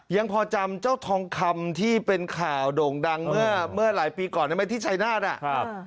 ยังพอจำเจ้าทองคำที่เป็นข่าวโด่งดังเมื่อหลายปีก่อนได้ไหมที่ชายนาฏอ่ะ